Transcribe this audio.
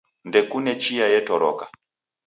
Ndekune chia etoroka.